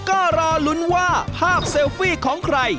ก็รอลุ้นว่าภาพเซลฟี่ของใคร